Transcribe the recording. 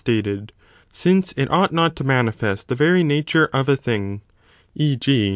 Pro stated, since it ought not to manifest the very nature of a thing; e. g.